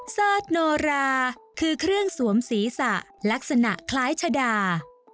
เสิร์ชโนราคือเครื่องสวมศีรษะลักษณะคล้ายชะดา